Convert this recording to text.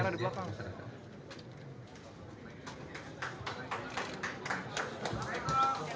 kameranya di belakang